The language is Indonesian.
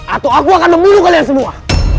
atau aku akan membunuh kalian semua